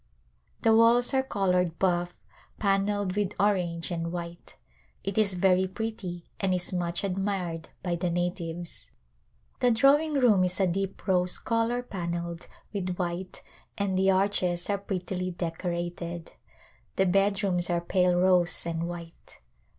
The walls are colored bufF, panelled with orange and white. It is very pretty and is much admired by the natives. The drawing room is a deep rose color panelled with white and the arches are prettily decorated. The bedrooms are pale rose and white.